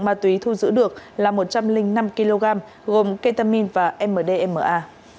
ma túy thu giữ được là một trăm linh năm kg gồm ketamin và mdma